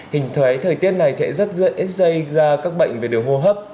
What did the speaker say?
hình thái thời tiết này sẽ rất dễ dây ra các bệnh về đường hô hấp